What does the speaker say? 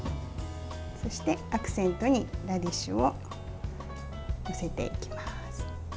そしてアクセントにラディッシュを載せていきます。